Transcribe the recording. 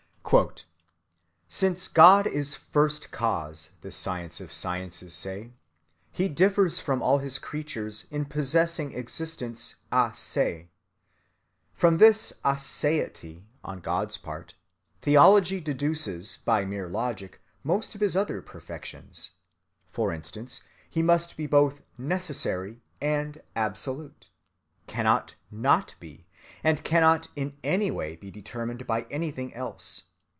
Since God is First Cause, this science of sciences says, he differs from all his creatures in possessing existence a se. From this "a‐se‐ity" on God's part, theology deduces by mere logic most of his other perfections. For instance, he must be both necessary and absolute, cannot not be, and cannot in any way be determined by anything else.